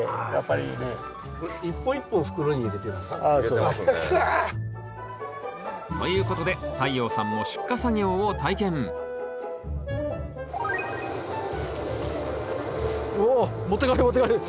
うわ。ということで太陽さんも出荷作業を体験うお持ってかれる持ってかれる。